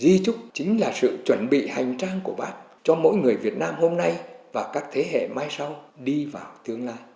di trúc chính là sự chuẩn bị hành trang của bác cho mỗi người việt nam hôm nay và các thế hệ mai sau đi vào tương lai